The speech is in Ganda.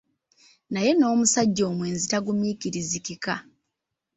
Naye n’omusajja omwenzi tagumiikirizikika.